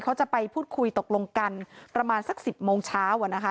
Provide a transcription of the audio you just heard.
เขาจะไปพูดคุยตกลงกันประมาณสัก๑๐โมงเช้าอ่ะนะคะ